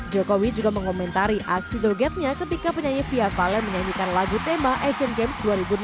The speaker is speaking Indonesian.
jokowi juga mengomentari aksi jogetnya ketika penyanyi fia valen menyanyikan lagu tema asian games dua ribu delapan belas